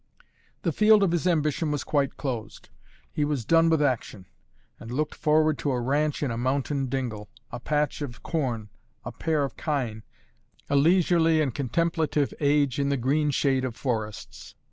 The field of his ambition was quite closed; he was done with action; and looked forward to a ranch in a mountain dingle, a patch of corn, a pair of kine, a leisurely and contemplative age in the green shade of forests.